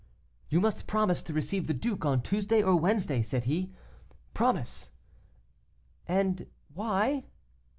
"'You must promise to receive the duke on Tuesday or Wednesday,' said he. 'Promise! and why?